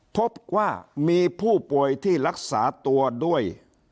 พบว่ามีผู้ป่วยที่รักษาตัวด้วย